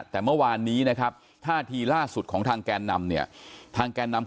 แต่เมื่อวานนี้นะครับท่าทีล่าสุดของทางแกนนำเนี่ยทางแกนนำ